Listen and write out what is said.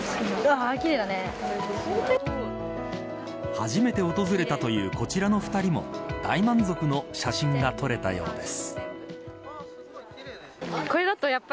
初めて訪れたというこちらの２人も大満足の写真が撮れたようです。